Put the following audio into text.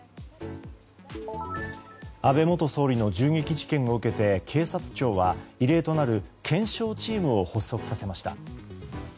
安倍元総理の銃撃事件を受けて警察庁は異例となる検証チームを発足させました。